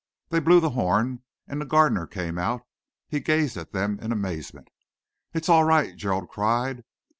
They blew the horn and a gardener came out. He gazed at them in amazement. "It's all right," Gerald cried.